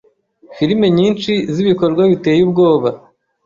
filime nyinshi z’ibikorwa biteye ubwoba